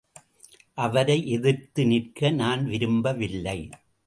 அவரை எதிர்த்து நிற்க நான் விரும்பவில்லை.